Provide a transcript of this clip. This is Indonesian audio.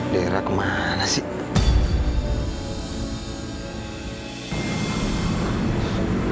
dera kemana sih